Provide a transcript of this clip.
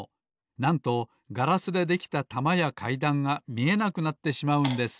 なんとガラスでできたたまやかいだんがみえなくなってしまうんです。